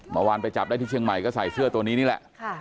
เมื่อวานไปจับได้ที่เชียงใหม่ก็ใส่เสื้อตัวนี้นี่แหละ